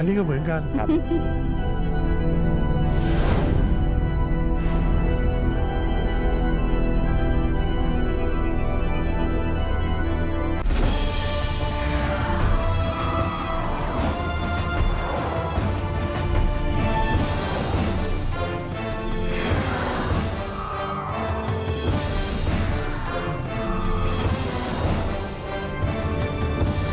นี่ก็เหมือนกันครับ